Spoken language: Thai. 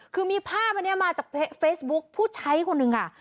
คือมีภาพอันนี้มาจากเฟซบุ๊คผู้ใช้คนหนึ่งค่ะ